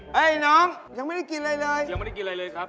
น้องยังไม่ได้กินอะไรเลยยังไม่ได้กินอะไรเลยครับ